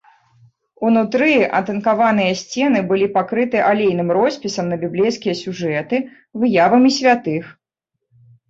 Унутры атынкаваныя сцены былі пакрыты алейным роспісам на біблейскія сюжэты, выявамі святых.